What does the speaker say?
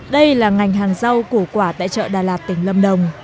đây là ngành hàng rau củ quả tại chợ đà lạt tỉnh lâm đồng